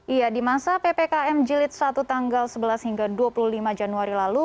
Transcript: iya di masa ppkm jilid satu tanggal sebelas hingga dua puluh lima januari lalu